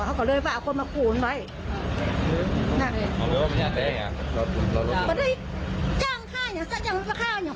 มันก็เรียกว่าอย่างบ้างกลูกหลังกับไหนแขก